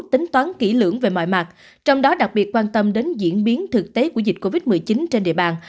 tính toán kỹ lưỡng về mọi mặt trong đó đặc biệt quan tâm đến diễn biến thực tế của dịch covid một mươi chín trên địa bàn